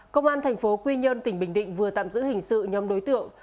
công an thành phố quy nhơn tỉnh bình định vừa tạm giữ hình sự nhóm đối tượng